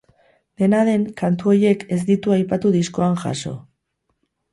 Dena den, kantu horiek ez ditu aipatu diskoan jaso.